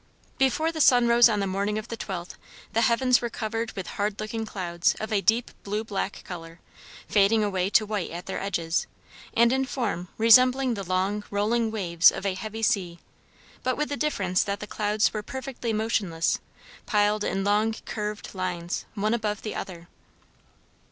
Before the sun rose on the morning of the 12th the heavens were covered with hard looking clouds of a deep blue black color, fading away to white at their edges, and in form resembling the long, rolling waves of a heavy sea, but with the difference that the clouds were perfectly motionless, piled in long curved lines, one above the other.